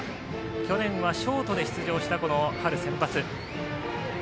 去年はショートで出場した春センバツ。